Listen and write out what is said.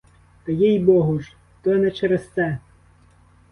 Та, їй-богу ж, то не через це!